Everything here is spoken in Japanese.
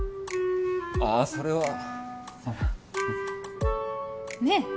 ああそれはそれはねえ？